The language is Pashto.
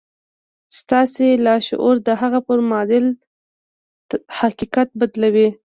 ستاسې لاشعور د هغه پر معادل حقيقت بدلوي.